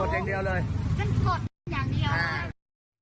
อืม